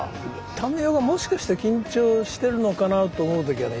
民生がもしかして緊張してるのかなと思う時はね